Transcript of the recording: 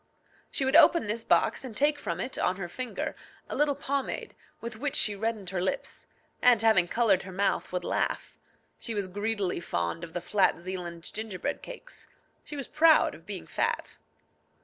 she would open this box, and take from it, on her finger, a little pomade, with which she reddened her lips, and, having coloured her mouth, would laugh. She was greedily fond of the flat Zealand gingerbread cakes. She was proud of being fat.